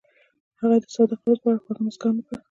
هغې د صادق اواز په اړه خوږه موسکا هم وکړه.